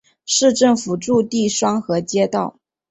市政府驻地双河街道。